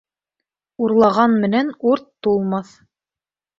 Урлаған менән урт тулмаҫ.